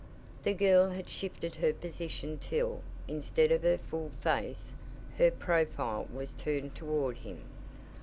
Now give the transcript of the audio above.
The girl had shifted her position till, instead of her full face, her profile was turned toward him.